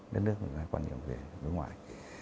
đất nước còn nhiều người đối ngoại